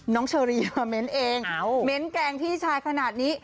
เชอรี่มาเม้นเองเม้นต์แกล้งพี่ชายขนาดนี้